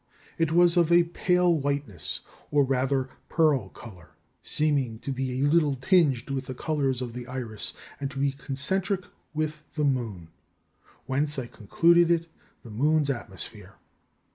It was of a pale whiteness, or rather pearl colour, seeming to be a little tinged with the colours of the iris, and to be concentric with the moon, whence I concluded it the moon's atmosphere.